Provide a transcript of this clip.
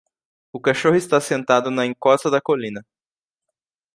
O cachorro está sentado na encosta da colina.